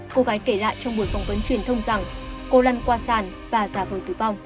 cô gái kể lại trong buổi phỏng vấn truyền thông rằng cô lăn qua sản và giả vờ tử vong